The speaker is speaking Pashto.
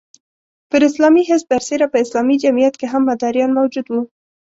پر اسلامي حزب برسېره په اسلامي جمعیت کې هم مداریان موجود وو.